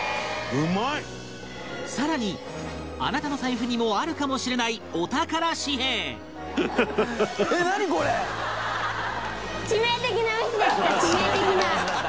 更にあなたの財布にもあるかもしれないお宝紙幣致命的な。